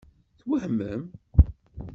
Twehmem?